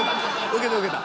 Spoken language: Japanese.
ウケたウケた。